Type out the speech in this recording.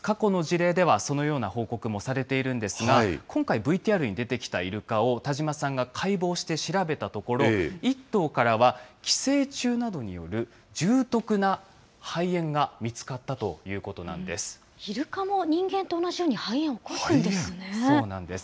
過去の事例では、そのような報告もされているんですが、今回、ＶＴＲに出てきたイルカを田島さんが解剖して調べたところ、１頭からは寄生虫などによる重篤な肺炎が見つかったということなイルカも人間と同じように肺そうなんです。